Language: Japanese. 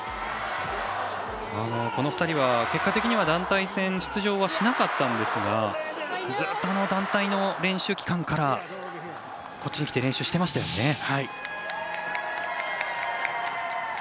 この２人は結果的には団体戦に出場はしなかったんですがずっと、団体の練習期間からこっちに来て練習してましたよね。